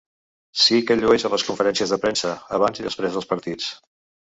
Sí que el llueix a les conferències de premsa, abans i després dels partits.